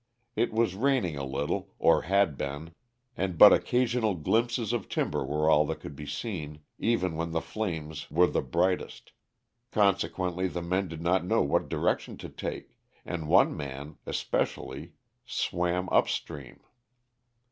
It was raining a little, or had been, and but occasional glimpses of timber were all that could be seen, even when the flames were the brightest, consequently the men did not know what direction to take, and one man, especially, swam up stream.